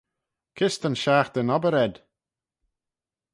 Kys ta'n shiaghtin obbyr ayd?